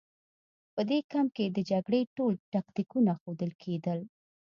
په دې کمپ کې د جګړې ټول تکتیکونه ښودل کېدل